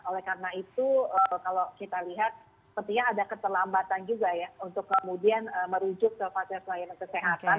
oleh karena itu kalau kita lihat sepertinya ada keterlambatan juga ya untuk kemudian merujuk ke fasilitas layanan kesehatan